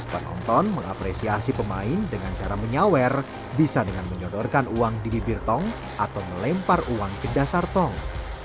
penonton mengapresiasi pemain dengan cara menyawer bisa dengan menyodorkan uang di bibir tong atau melempar uang ke dasar tong